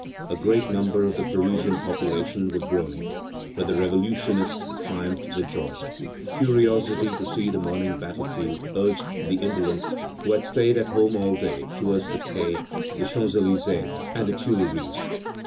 A great number of the Parisian population were groaning, but the revolutionists triumphed with joy. Curiosity to see the morning battle field, urged the indolent, who had stayed at home all day, towards the quays, the Champs Elysées, and the Tuileries.